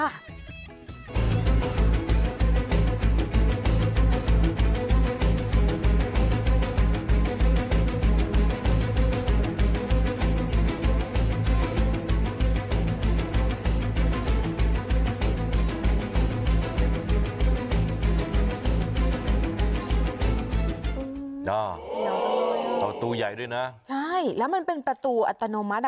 จ้าประตูใหญ่ด้วยนะใช่แล้วมันเป็นประตูอัตโนมัติอ่ะ